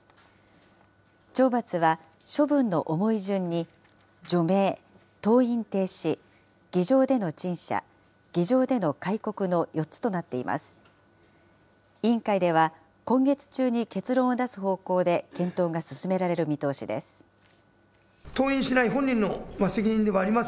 懲罰は、処分の重い順に除名、登院停止、議場での陳謝、議場での戒告の４つとなっています。